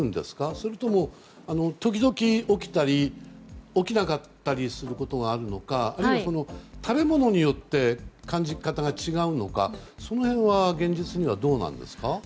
それとも時々、起きたり起きなかったりすることがあるのか食べ物によって感じ方が違うのかその辺は現実にはどうなんですか。